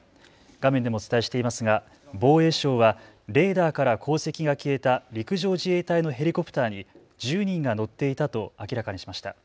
画面でもお伝えしていますが防衛省はレーダーから航跡が消えた陸上自衛隊のヘリコプターに１０人が乗っていたと明らかにしました。